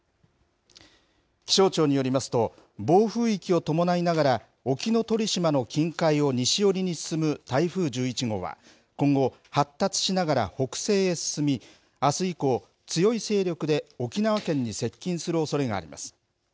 気象庁によりますと、暴風域を伴いながら、沖ノ鳥島の近海を西寄りに進む台風１１号は、今後、発達しながら北西へ進み、あす以降、強い勢力で沖縄県に接近するおそれがあります。